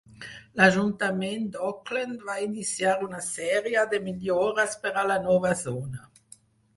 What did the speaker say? L'Ajuntament d'Auckland va iniciar una sèrie de millores per a la nova zona.